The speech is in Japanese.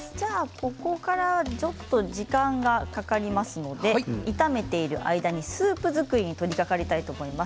ここからちょっと時間がかかりますので炒めている間にスープ作りに取りかかりたいと思います。